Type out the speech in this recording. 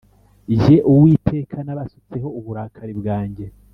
Jye Uwiteka nabasutseho uburakari bwanjye